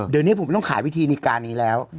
เดี๋ยวนี้ผมไม่ต้องขายวิธีการนี้แล้ว